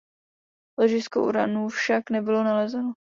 Ložisko uranu však nebylo nalezeno.